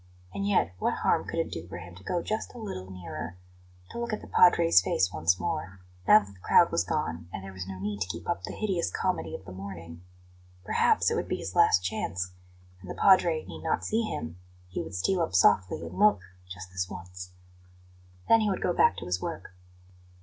And yet, what harm could it do for him to go just a little nearer to look at the Padre's face once more, now that the crowd was gone, and there was no need to keep up the hideous comedy of the morning? Perhaps it would be his last chance and the Padre need not see him; he would steal up softly and look just this once. Then he would go back to his work.